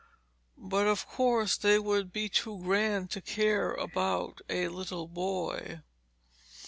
But of course they would be too grand to care about a little boy.